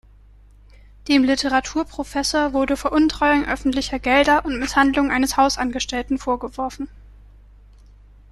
Dem Literaturprofessor wurde Veruntreuung öffentlicher Gelder und Misshandlung eines Hausangestellten vorgeworfen.